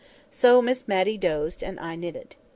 So Miss Matty dozed, and I knitted.